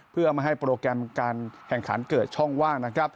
เพื่อไม่ให้โปรแกรมการแข่งขันเกิดช่องว่างนะครับ